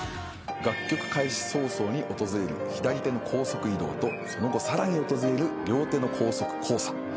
楽曲開始早々に訪れる左手の高速移動とその後さらに訪れる両手の高速交差。